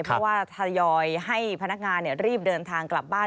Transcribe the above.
เพราะว่าทยอยให้พนักงานรีบเดินทางกลับบ้าน